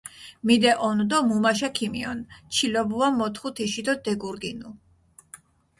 მიდეჸონუ დო მუმაშა ქიმიჸონ, ჩილობუა მოთხუ თიში დო დეგურგინუ.